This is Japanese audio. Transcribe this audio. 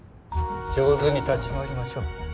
上手に立ち回りましょう。